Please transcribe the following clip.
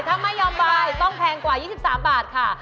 ถ้าไม่ยอมบายต้องแพงกว่า๒๓บาทค่ะ